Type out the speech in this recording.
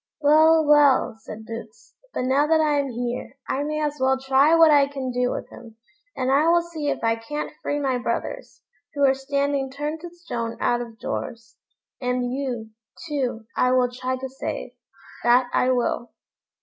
"Well! well!" said Boots; "but now that I am here, I may as well try what I can do with him; and I will see if I can't free my brothers, who are standing turned to stone out of doors; and you, too, I will try to save, that I will."